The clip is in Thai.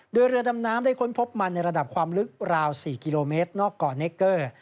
โดยเรือดำน้ำได้ค้นพบมันในระดับความลึกราว๔กิโลเมตรนอกเกาะเนคเกอร์